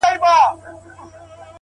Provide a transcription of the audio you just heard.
پوهه د راتلونکي جوړولو وسیله ده’